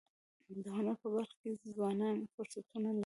د هنر په برخه کي ځوانان فرصتونه لري.